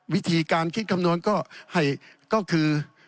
วิธีการคิดคำนวณก็คือ